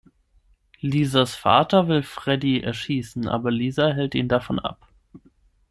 Lisas Vater will Freddy erschießen, aber Lisa hält ihn davon ab.